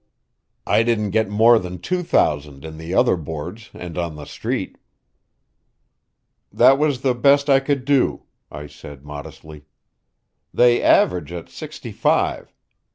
I didn't get more than two thousand in the other Boards and on the Street." "That was the best I could do," I said modestly. "They average at sixty five.